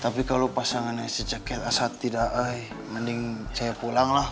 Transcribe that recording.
tapi kalau pasangannya si ceket asat tidak eh mending saya pulanglah